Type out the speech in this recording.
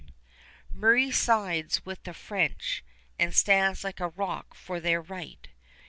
Murray sides with the French and stands like a rock for their right.